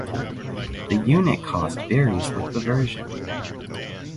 The unit cost varies with the version.